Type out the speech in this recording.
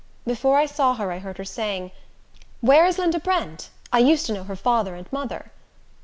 Before I saw her, I heard her saying, "Where is Linda Brent? I used to know her father and mother."